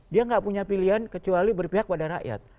dia nggak punya pilihan kecuali berpihak pada rakyat